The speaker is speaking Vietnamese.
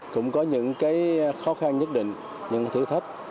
cũng có những cái khó khăn nhất định những thử thách